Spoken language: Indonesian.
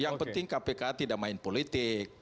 yang penting kpk tidak main politik